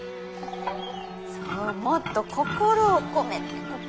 そうもっと心を込めて。